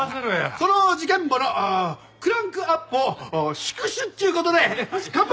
その『事件簿』のクランクアップを祝しゅっちゅう事で乾杯！